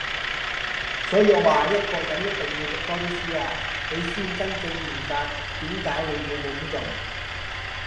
所以我話一個人一定要讀多啲書啊，你先至真正明白點解你會冇工做!